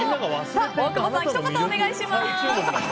大久保さん、ひと言お願いします。